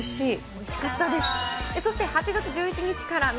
おいしかったです。